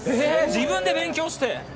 自分で勉強して？